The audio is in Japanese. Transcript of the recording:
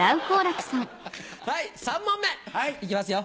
はい３問目いきますよ。